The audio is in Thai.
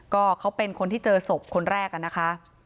ก็เขาเป็นคนที่เจอศพคนแรกอะนะคะ